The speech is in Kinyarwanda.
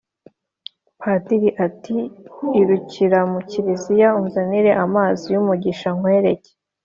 padiri, ati " irukira mu kiliziya unzanire amazi y'umugisha nkwereke"